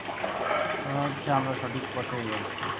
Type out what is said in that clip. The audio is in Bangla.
মনে হচ্ছে আমরা সঠিক পথেই এগোচ্ছি।